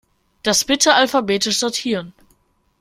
Das bitte alphabetisch sortieren.